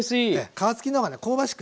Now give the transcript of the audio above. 皮付きの方がね香ばしく